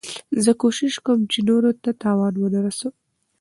زه کوشش کوم، چي نورو ته تاوان و نه رسوم.